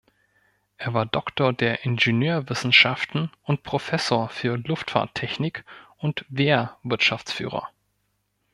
Er war Doktor der Ingenieurwissenschaften und Professor für Luftfahrttechnik und Wehrwirtschaftsführer.